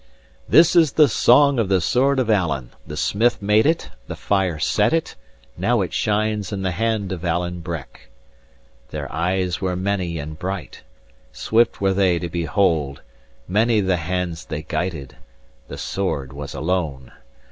"This is the song of the sword of Alan; The smith made it, The fire set it; Now it shines in the hand of Alan Breck. "Their eyes were many and bright, Swift were they to behold, Many the hands they guided: The sword was alone.